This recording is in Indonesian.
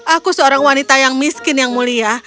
aku seorang wanita yang miskin yang mulia